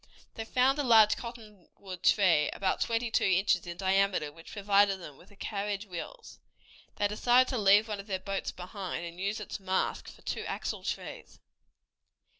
They found a large cottonwood tree, about twenty two inches in diameter, which provided them with the carriage wheels. They decided to leave one of their boats behind, and use its mast for two axle trees.